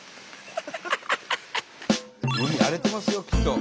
海荒れてますよきっと。